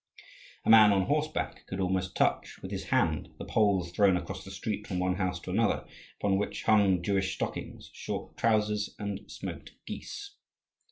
A man on horseback could almost touch with his hand the poles thrown across the street from one house to another, upon which hung Jewish stockings, short trousers, and smoked geese.